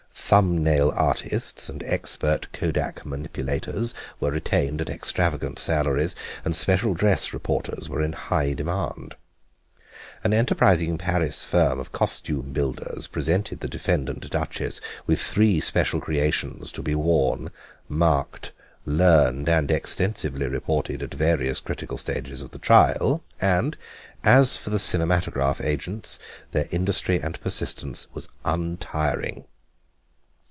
Thumb nail artists and expert kodak manipulators were retained at extravagant salaries, and special dress reporters were in high demand. An enterprising Paris firm of costume builders presented the defendant Duchess with three special creations, to be worn, marked, learned, and extensively reported at various critical stages of the trial; and as for the cinematograph agents, their industry and persistence was untiring.